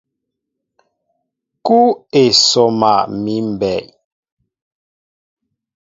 Kúw e sɔma míʼ mbɛy.